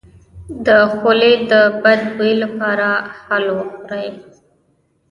د خولې د بد بوی لپاره هل وخورئ